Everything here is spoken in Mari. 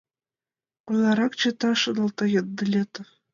«Кунаррак чыта? — шоналта Ендылетов.